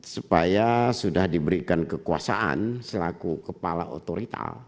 supaya sudah diberikan kekuasaan selaku kepala otorita